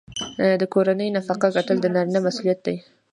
د کورنۍ نفقه ګټل د نارینه مسوولیت دی.